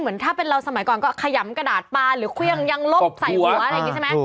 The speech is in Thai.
เหมือนถ้าเป็นเราสมัยก่อนก็ขยำกระดาษปลาหรือเครื่องยังลบใส่หัวอะไรอย่างนี้ใช่ไหม